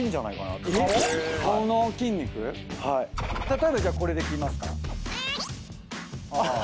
例えばこれできますか？